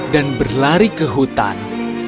dan berlari ke hutan